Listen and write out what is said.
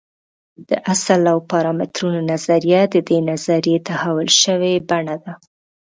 د اصل او پارامترونو نظریه د دې نظریې تحول شوې بڼه ده.